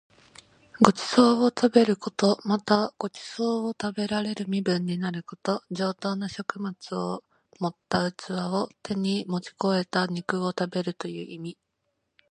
ご馳走を食べること。また、ご馳走を食べられる身分になること。上等な食物を盛った器を手に持ち肥えた肉を食べるという意味。